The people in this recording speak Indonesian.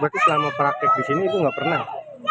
berarti selama praktek di sini ibu nggak pernah